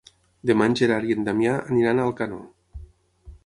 Demà en Gerard i en Damià aniran a Alcanó.